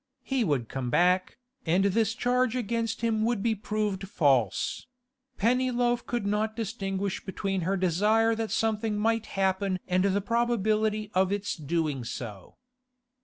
He would come back, and this charge against him would be proved false; Pennyloaf could not distinguish between her desire that something might happen and the probability of its doing so.